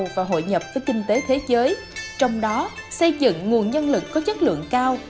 và hội nhập với kinh tế thế giới trong đó xây dựng nguồn nhân lực có chất lượng cao